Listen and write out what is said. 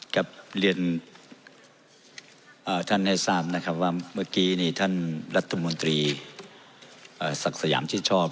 ครับเรียนท่านไอซาบนะครับว่าเมื่อกี้นี่ท่านรัฐมนตรีสักสยามชิดชอบ